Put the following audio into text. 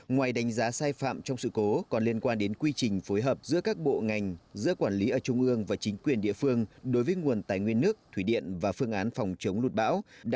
ngoài đánh giá sai phạm trong sự cố còn liên quan đến quy trình phối hợp giữa các bộ ngành giữa quản lý ở trung ương và chính quyền địa phương đối với nguồn tài nguyên nước thủy điện và phương án phòng chống lụt bão